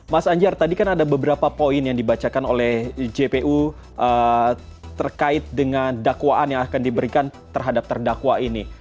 mas anjar tadi kan ada beberapa poin yang dibacakan oleh jpu terkait dengan dakwaan yang akan diberikan terhadap terdakwa ini